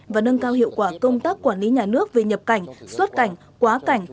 và nâng cao hiệu quả công tác quản lý nhà nước về nhập cảnh xuất cảnh quá cảnh